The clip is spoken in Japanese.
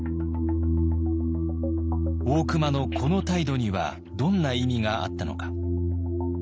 大隈のこの態度にはどんな意味があったのか。